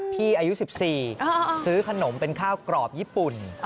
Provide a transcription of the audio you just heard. อายุ๑๔ซื้อขนมเป็นข้าวกรอบญี่ปุ่น